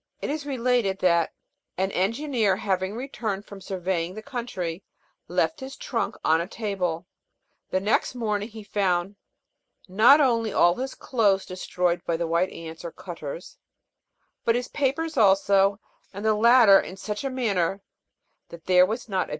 It is related that " an engineer having returned from surveying the country, left his trunk on a table : the next morning he found not only all his clothes destroyed by the white ants. or cutters, but his papers also, and the latter in such a manner, that there was not a.